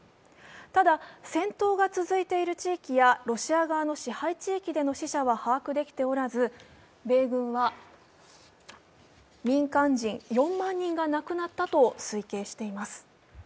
ただ、戦闘が続いている地域やロシア側の支配地域での死者は把握できておらず米軍は民間人４万人が亡くなったと推計しています。